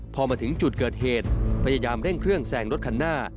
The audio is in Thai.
พอมาถึงจุดเกิดเหตุพยายามเร่งเครื่องแซงรถคันหน้า